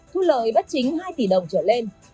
thu lợi bất chính hai tỷ đồng trở lên